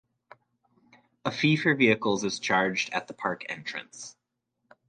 A fee for vehicles is charged at the park entrance.